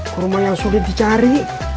kurma yang sulit dicari